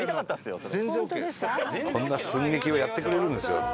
「こんな寸劇をやってくれるんですよだって」